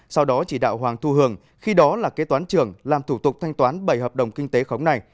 sau đó chỉ đạo hoàng thu hường khi đó là kế toán trưởng làm thủ tục thanh toán bảy hợp đồng kinh tế khống này